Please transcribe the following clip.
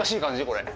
これ。